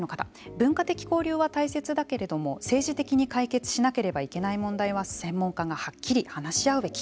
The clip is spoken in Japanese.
文化的交流は大切だけれども政治的に解決しなければいけない問題は専門家がはっきり話し合うべき。